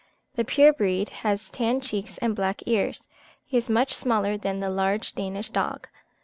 The pure breed has tanned cheeks and black ears. He is much smaller than the large Danish dog.